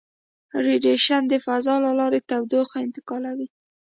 ریډیشن د فضا له لارې تودوخه انتقالوي.